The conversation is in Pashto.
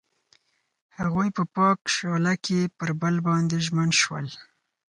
هغوی په پاک شعله کې پر بل باندې ژمن شول.